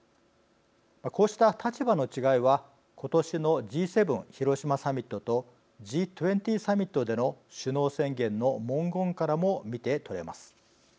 こうした立場の違いは今年のＧ７広島サミットとＧ２０サミットでの首脳宣言の文言からも見て取れます。